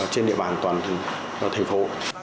trên địa bàn toàn thành phố